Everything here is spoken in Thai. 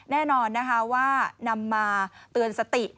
แน่นอนนะคะว่านำมาเตือนสติ